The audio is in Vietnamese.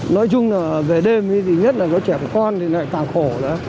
nói chung là về đêm thì nhất là có trẻ con thì lại tạm khổ